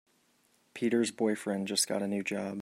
Peter's boyfriend just got a new job.